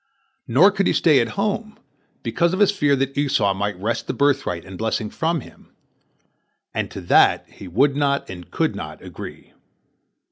Nor could he stay at home, because of his fear that Esau might wrest the birthright and the blessing from him, and to that he would not and could not agree.